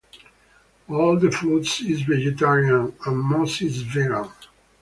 All the food is vegetarian and most is vegan.